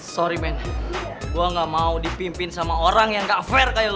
sorry men gue gak mau dipimpin sama orang yang gak fair kayak lo